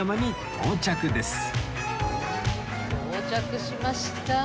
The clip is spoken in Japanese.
到着しました。